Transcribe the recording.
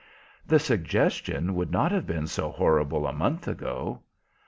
"The suggestion would not have been so horrible a month ago."